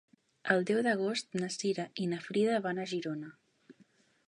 El deu d'agost na Cira i na Frida van a Girona.